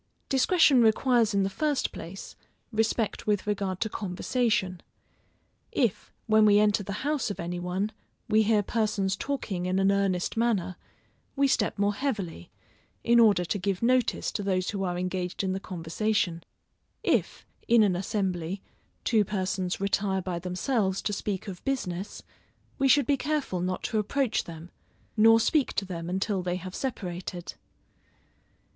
Discretion requires in the first place, respect with regard to conversation. If, when we enter the house of any one, we hear persons talking in an earnest manner, we step more heavily, in order to give notice to those who are engaged in the conversation. If, in an assembly, two persons retire by themselves to speak of business, we should be careful not to approach them, nor speak to them until they have separated.